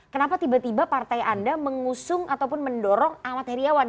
kenapa tiba tiba partai anda mengusung ataupun mendorong ahmad heriawan